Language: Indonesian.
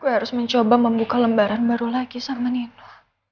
gue harus mencoba membuka lembaran baru lagi sama nino